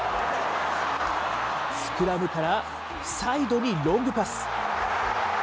スクラムから、サイドにロングパス。